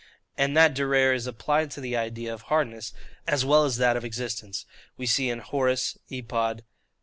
And that durare is applied to the idea of hardness, as well as that of existence, we see in Horace, Epod.